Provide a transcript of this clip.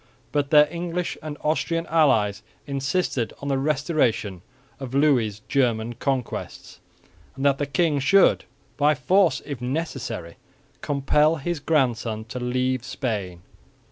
But their English and Austrian allies insisted on the restoration of Louis' German conquests, and that the king should, by force if necessary, compel his grandson to leave Spain.